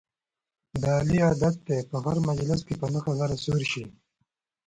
د علي عادت دی په هر مجلس کې په نه خبره سور شي.